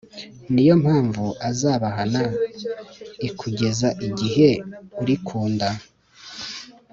Ni yo mpamvu azabahana i kugeza igihe uri ku nda